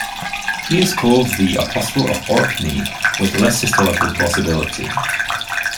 He is called the apostle of Orkney, with less historical plausibility.